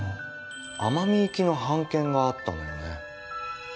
奄美行きの半券があったのよね